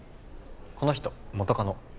この人元カノ